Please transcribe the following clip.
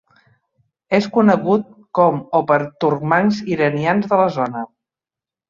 És conegut com o per turcmans iranians de la zona.